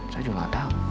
saya juga gak tahu